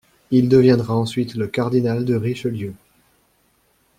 Il deviendra ensuite le cardinal de Richelieu.